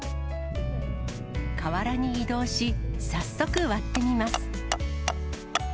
河原に移動し、早速、割ってみます。